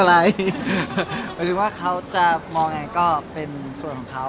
หรือว่าเขาจะมองยังไงก็เป็นส่วนของเขา